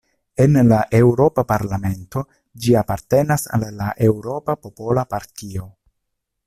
En la Eŭropa parlamento ĝi apartenas al la Eŭropa Popola Partio.